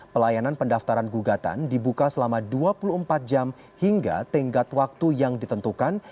pelayanan pendaftaran gugatan dibuka selama dua puluh empat jam hingga tenggat waktu yang ditentukan